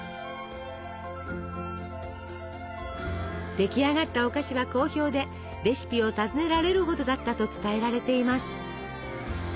出来上がったお菓子は好評でレシピを尋ねられるほどだったと伝えられています。